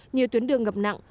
nhiều tuyến đường ngập nặng